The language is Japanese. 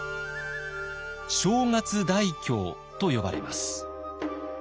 正月大饗と呼ばれます。